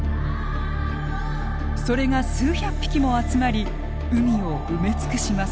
それが数百匹も集まり海を埋め尽くします。